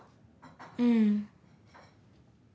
うん。